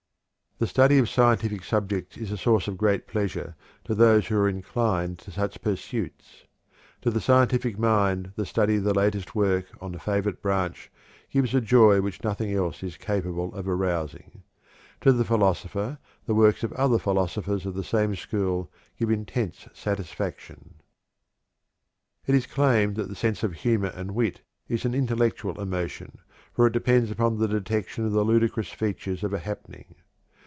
The study of scientific subjects is a source of great pleasure to those who are inclined to such pursuits. To the scientific mind the study of the latest work on the favorite branch gives a joy which nothing else is capable of arousing. To the philosopher the works of other philosophers of the same school give intense satisfaction. It is claimed that the sense of humor and wit is an intellectual emotion, for it depends upon the detection of the ludicrous features of a happening.